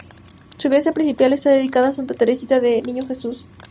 Su iglesia principal está dedicada a Santa Teresita del Niño Jesús.